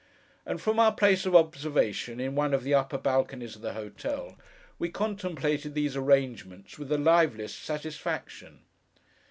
And from our place of observation, in one of the upper balconies of the hotel, we contemplated these arrangements with the liveliest satisfaction.